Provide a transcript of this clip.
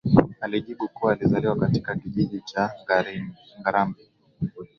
alijibu kuwa alizaliwa katika Kijiji cha Ngarambi